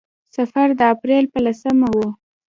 سفر د اپرېل په لسمه و.